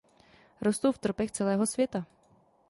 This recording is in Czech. Rostou v tropech celého světa.